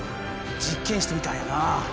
実験室みたいやな。